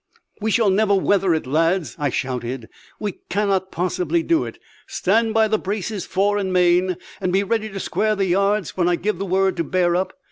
"We shall never weather it, lads," I shouted; "we cannot possibly do it. Stand by the braces, fore and main, and be ready to square the yards when I give the word to bear up.